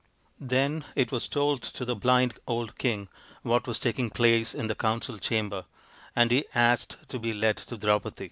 Then it was told to the blind old king what was taking place in the council chamber, and he asked to be led to Draupadi.